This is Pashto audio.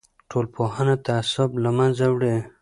ټولنپوهنه تعصب له منځه وړي.